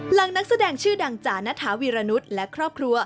นักแสดงชื่อดังจาณฐาวีรนุษย์และครอบครัว